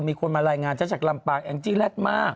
มีคนมาไล่งานชะชักลำปากแอ่งจิแร็ดมาก